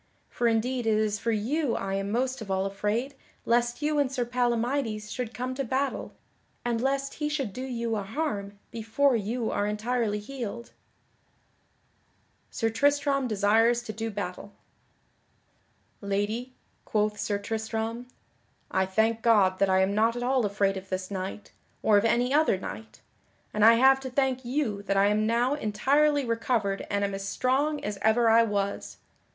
For indeed it is for you I am most of all afraid lest you and Sir Palamydes should come to battle and lest he should do you a harm before you are entirely healed." [Sidenote: Sir Tristram desires to do battle] "Lady," quoth Sir Tristram, "I thank God that I am not at all afraid of this knight, or of any other knight, and I have to thank you that I am now entirely recovered and am as strong as ever I was.